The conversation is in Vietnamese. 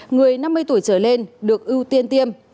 người năm mươi tuổi trở lên được ưu tiên tiêm